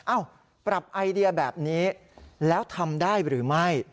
ปรับไอเดียแบบนี้แล้วทำได้หรือไม่